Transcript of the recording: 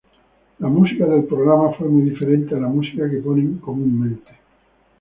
La música del programa fue muy diferente a la música que ponen comúnmente.